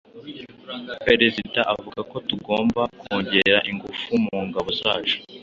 Perezida avuga ko tugomba kongera ingufu mu ngabo zacu.